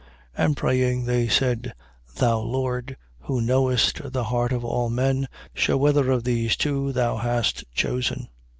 1:24. And praying, they said: Thou, Lord, who knowest the heart of all men, shew whether of these two thou hast chosen, 1:25.